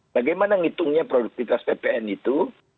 bagaimana ngitungnya produktivitas ppn itu